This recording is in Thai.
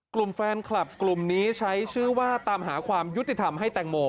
กลุ่มแฟนคลับกลุ่มนี้ใช้ชื่อว่าตามหาความยุติธรรมให้แตงโม